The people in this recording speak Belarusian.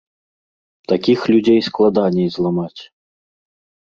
Такіх людзей складаней зламаць.